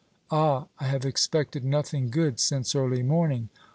Ah, I have expected nothing good since early morning!